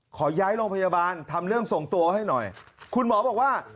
ขอย้ายโรงพยาบาลทำเรื่องส่งตัวให้หน่อยคุณหมอบอกว่า